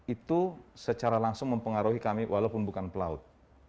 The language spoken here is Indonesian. itu secara langsung mempengaruhi kami walaupun bukan pelaut